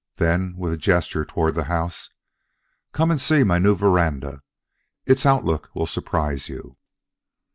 Then, with a gesture toward the house: "Come and see my new veranda. Its outlook will surprise you."